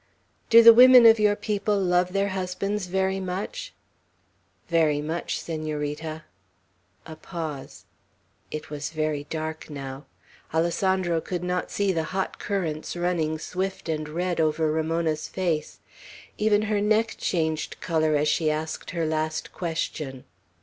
"Do the women of your people love their husbands very much?" "Very much, Senorita." A pause. It was very dark now. Alessandro could not see the hot currents running swift and red over Ramona's face; even her neck changed color as she asked her last question.